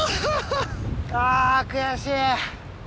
ああ悔しい！